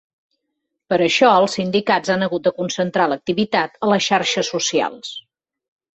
Per això els sindicats han hagut de concentrar l’activitat a les xarxes socials.